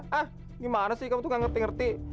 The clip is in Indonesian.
hah gimana sih kamu tuh nggak ngerti ngerti